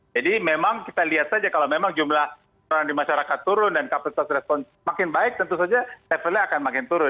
jadi memang kita lihat saja kalau memang jumlah peneloran di masyarakat turun dan kapasitas respons makin baik tentu saja levelnya akan makin turun